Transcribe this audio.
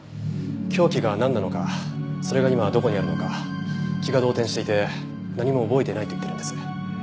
凶器がなんなのかそれが今どこにあるのか気が動転していて何も覚えてないと言ってるんです。